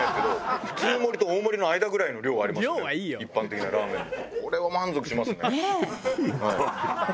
一般的なラーメンの。